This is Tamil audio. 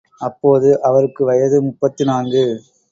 அப்போது அவருக்கு வயது முப்பத்து நான்கு!